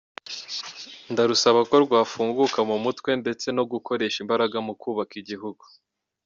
Ndarusaba ko rwafunguka mu mutwe ndetse no gukoresha imbaraga mu kubaka igihugu”.